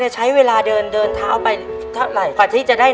ในแคมเปญพิเศษเกมต่อชีวิตโรงเรียนของหนู